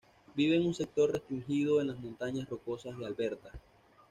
Vive en un sector restringido en las Montañas Rocosas de Alberta.